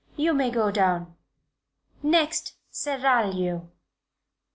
"You may go down. Next 'Seraglio.'"